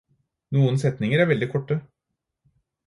Noen setninger er veldig korte.